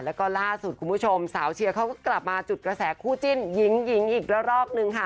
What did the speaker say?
แล้วก็ล่าสุดคุณผู้ชมสาวเชียร์เขาก็กลับมาจุดกระแสคู่จิ้นหญิงหญิงอีกละรอกนึงค่ะ